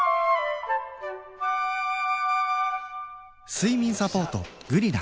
睡眠サポート「グリナ」